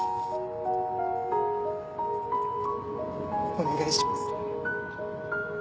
お願いします。